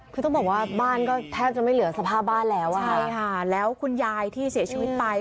คือต้องบอกว่าบ้านก็แทบจะไม่เหลือสภาพบ้านแล้วอ่ะใช่ค่ะแล้วคุณยายที่เสียชีวิตไป